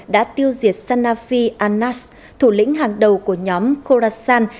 đã tiêu diệt sanafi anas thủ lĩnh hàng đầu của nhóm khorasan